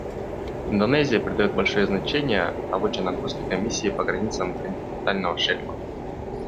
Индонезия придает большое значение рабочей нагрузке Комиссии по границам континентального шельфа.